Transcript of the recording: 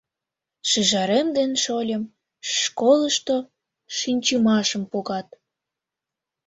Шӱжарем ден шольым школышто шинчымашым погат.